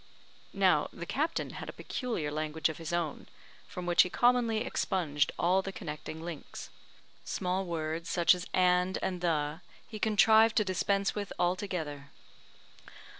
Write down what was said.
Now, the captain had a peculiar language of his own, from which he commonly expunged all the connecting links. Small words, such as "and" and "the," he contrived to dispense with altogether.